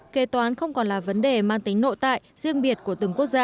kế toán không còn là vấn đề mang tính nội tại riêng biệt của từng quốc gia